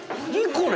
これ！